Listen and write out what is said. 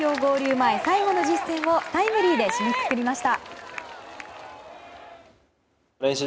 前最後の実戦をタイムリーで締めくくりました。